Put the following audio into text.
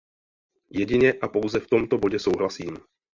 Jedině a pouze v tomto bodě souhlasím.